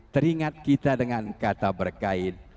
teringat kita dengan kata berkait